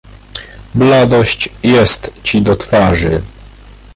"Bladość jest ci do twarzy."